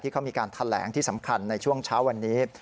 เขามีการแถลงที่สำคัญในช่วงเช้าวันนี้